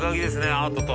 アートと。